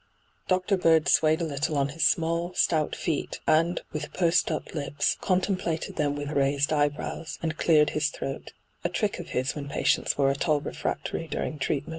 Dr. Bird swayed a little on his small, stout feet, and, with pursed up lips, contem plated them with raised eyebrows, and cleared his throat — a trick of his when patients were at all re&aotory during treatment.